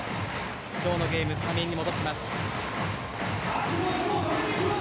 今日のスタメンに戻します。